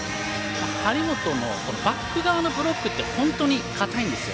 張本のバック側のブロックって本当に堅いんです。